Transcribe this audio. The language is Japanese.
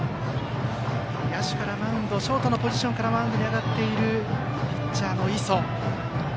ショートのポジションからマウンドに上がっているピッチャーの磯。